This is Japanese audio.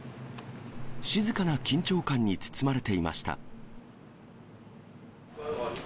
静かな緊張感に包まれていました。